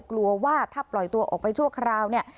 กลัวว่าถ้าปล่อยตัวออกไปชั่วคราวเนี่ย